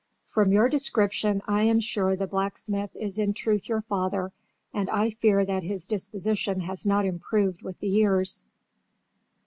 From your description I am sure the blacksmith is in truth your father, and I fear that his disposition has not improved with the years."